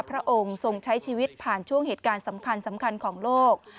พระองค์ทรงใช้ชีวิตผ่านช่วงเหตุการณ์สำคัญของโลก